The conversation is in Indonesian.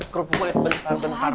kerupuk gue bentar bentar